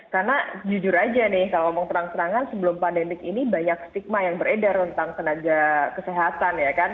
karena jujur aja nih kalau ngomong tenang tenangan sebelum pandemi ini banyak stigma yang beredar tentang tenaga kesehatan ya kan